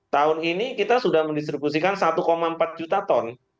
tahun ini kita sudah mendistribusikan satu empat juta ton